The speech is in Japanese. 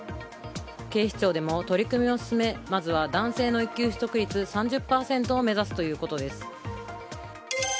警視庁でも取り組みを進めまずは男性の育休取得率３０％を目指すということです。